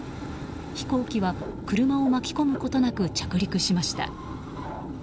飛行機は車を巻き込むことなく着陸しました。